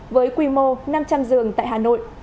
với quy mô năm trăm linh giường tại hà nội